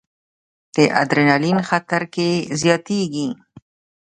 ادرانالین خطر کې زیاتېږي.